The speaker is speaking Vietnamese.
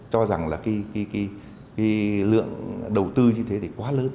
cho rằng là cái lượng đầu tư như thế thì quá lớn